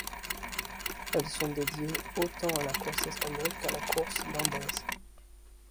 Elles sont dédiées autant à la course espagnole qu'à la course landaise.